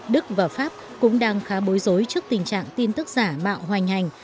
đức và pháp cũng đang khá bối rối trước tình trạng tin tức giả mạo hoành hành